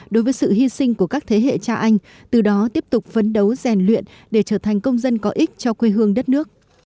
đối với sự hy sinh của các thế hệ cha anh từ đó tiếp tục phấn đấu rèn luyện để trở thành công dân có ích cho quê hương đất nước